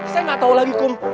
saya nggak tahu lagi kum